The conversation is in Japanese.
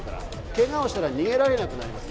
けがをしたら逃げられなくなります。